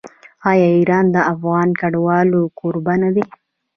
آیا ایران د افغان کډوالو کوربه نه دی؟